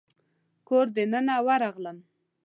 کور ته دننه ورغلم.